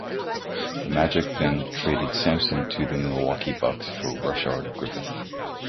The Magic then traded Sampson to the Milwaukee Bucks for Rashard Griffith.